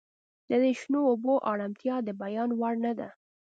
د دې شنو اوبو ارامتیا د بیان وړ نه ده